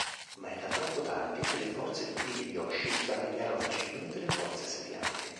Ma era troppo tardi e le forze di Hideyoshi sbaragliarono facilmente le forze assedianti.